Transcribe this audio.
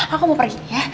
aku mau pergi ya